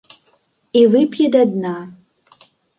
І вып'е да дна.